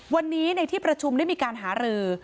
วันนี้ในที่ประชุมได้มีการหารือ